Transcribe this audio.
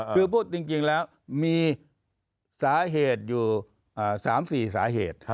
คือพูดจริงแล้วมีสาเหตุอยู่๓๔สาเหตุ